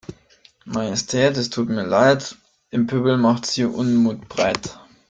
Majestät es tut mir Leid, im Pöbel macht sich Unmut breit.